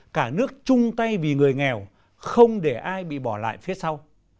cả nước chung tay vì người nghèo không để ai bị bỏ lại phía sau